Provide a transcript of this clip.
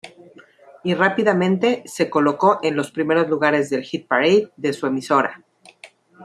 Y rápidamente se colocó en los primeros lugares del ‘hit parade’ de su emisora.